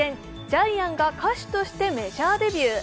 ジャイアンが歌手としてメジャーデビュー。